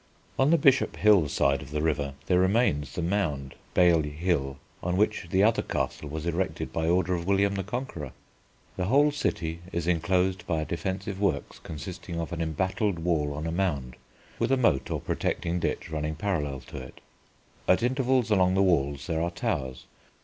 On the Bishop hill side of the river there remains the mound (Baile Hill) on which the other castle was erected by order of William the Conqueror. The whole city is enclosed by defensive works consisting of an embattled wall on a mound, with a moat or protecting ditch running parallel to it. At intervals along the walls there are towers.